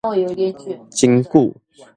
真久